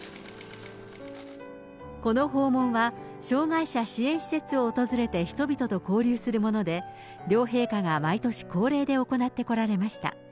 この訪問は、障害者支援施設を訪れて人々と交流するもので、両陛下が毎年恒例で行ってこられました。